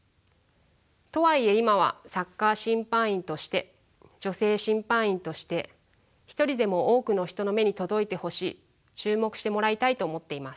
とはいえ今はサッカー審判員として女性審判員として一人でも多くの人の目に届いてほしい注目してもらいたいと思っています。